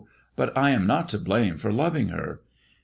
But I am not to blame for loving her.